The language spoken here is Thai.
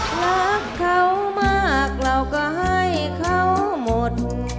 รักเขามากเราก็ให้เขาหมด